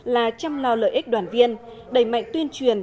là chăm lo lợi ích đoàn viên đẩy mạnh tuyên truyền